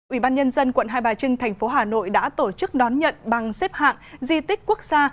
ủy ban nhân dân quận hai bà trưng thành phố hà nội đã tổ chức đón nhận bằng xếp hạng di tích quốc gia